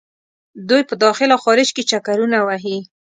دوۍ په داخل او خارج کې چکرونه وهي.